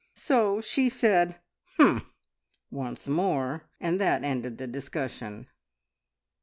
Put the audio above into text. So she said, "Humph!" once more, and that ended the discussion.